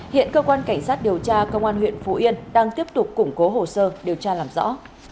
hiện cơ quan cảnh sát điều tra công an huyện phú yên đang tiếp tục củng cố hồ sơ điều tra làm rõ